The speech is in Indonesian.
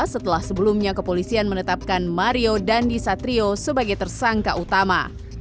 setelah sebelumnya kepolisian menetapkan mario dandi satrio sebagai tersangka utama